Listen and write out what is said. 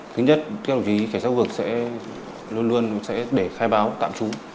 thứ nhất các đồng chí cảnh sát khu vực sẽ luôn luôn để khai báo tạm trú